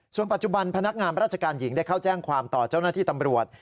ส่วนปัจจุบันพนักงานราชการหญิงได้เข้าแจ้งความต่อเจ้าหน้าที่ตำรวจ